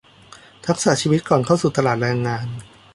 ทักษะชีวิตก่อนเข้าสู่ตลาดแรงงาน